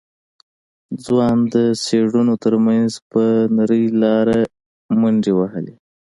ځوان د څېړيو تر منځ په نرۍ لاره منډې وهلې.